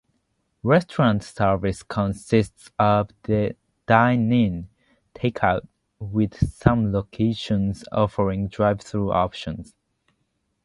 Restaurant service consists of: dine-in, take-out, with some locations offering drive through options.